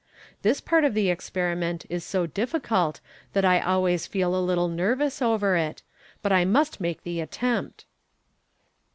This part of the experi ment is so difficult, that I always feel a little nervous over it, but I must make the attempt."